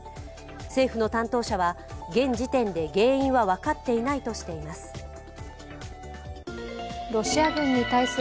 政府の担当者は、現時点で原因は分かっていないとしています。